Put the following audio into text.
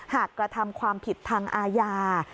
กระทำความผิดทางอาญา